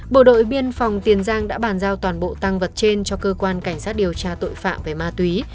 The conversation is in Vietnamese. bộ đội biên phòng tiền giang đã bàn giao toàn bộ tăng vật trên cho cơ quan cảnh sát điều tra tội phạm về ma túy